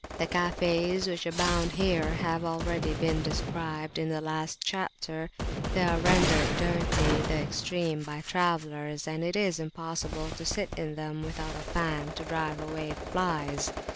The cafes, which abound here, have already been described in the last chapter; they are rendered dirty in the extreme by travellers, and it is impossible to sit in them without a fan to drive away the flies.